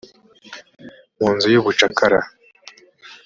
mu nzu y’ubucakara.